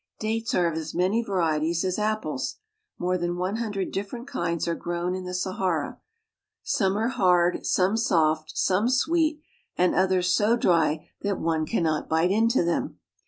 Dates are of ..as many varieties as apples. More than hundred different kinds are grown in the Sahara ; some hard, some soft, some sweet, and others so dry that one 64 AFRICA can not bite into them.